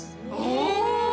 お！